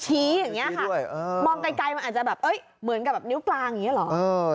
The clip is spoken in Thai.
ชี้ด้วยเออมองไกลไกลมันอาจจะแบบเอ้ยเหมือนกับแบบนิ้วกลางอย่างเงี้ยเหรอ